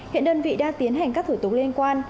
hiện đơn vị đang tiến hành các thủ tục liên quan